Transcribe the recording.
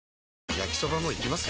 焼きソバもいきます？